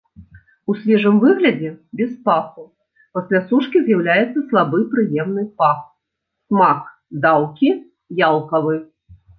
У свежым выглядзе без паху, пасля сушкі з'яўляецца слабы прыемны пах, смак даўкі, ялкавы.